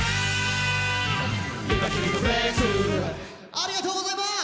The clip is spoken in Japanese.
ありがとうございます！